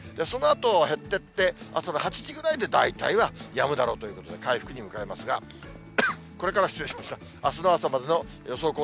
そのあと、減っていって、朝の８時ぐらいで大体はやむだろうということで、回復に向かいますが、これから、失礼しました、あすの朝までの予想